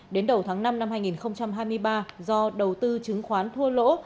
đến đầu tháng năm năm hai nghìn hai mươi ba do đầu tư chứng khoán thua lỗ